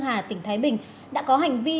hà tỉnh thái bình đã có hành vi